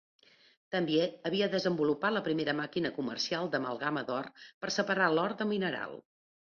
També havia desenvolupat la primera màquina comercial d'amalgama d'or per separar l'or de mineral.